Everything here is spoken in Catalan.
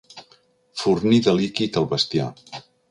Fornir de líquid el bestiar.